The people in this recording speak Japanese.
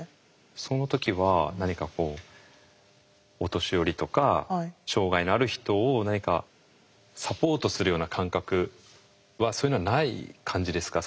その時は何かこうお年寄りとか障害のある人を何かサポートするような感覚はそういうのはない感じですか？